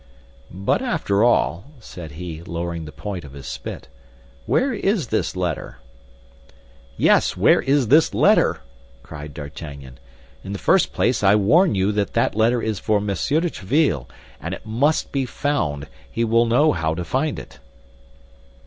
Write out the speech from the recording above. "But, after all," said he, lowering the point of his spit, "where is this letter?" "Yes, where is this letter?" cried D'Artagnan. "In the first place, I warn you that that letter is for Monsieur de Tréville, and it must be found, or if it is not found, he will know how to find it."